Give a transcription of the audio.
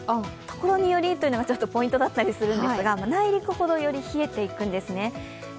所によりというのがポイントだったりするんですが、内陸ほど冷えていくんですね。